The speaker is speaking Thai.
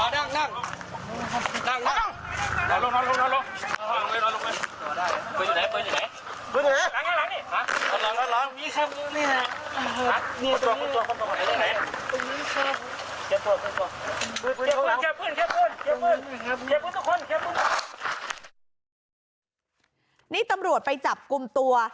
เทียบพึ่งเทียบพึ่งทุกคนเทียบพึ่งนี่ตำรวจไปจับกลุ่มตัว